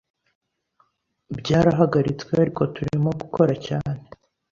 byarahagaritswe ariko turimo gukora cyane